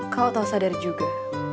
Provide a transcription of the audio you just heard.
kau tau sadar juga